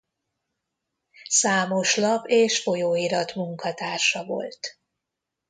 Számos lap és folyóirat munkatársa volt.